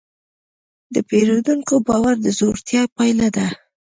د پیرودونکي باور د زړورتیا پایله ده.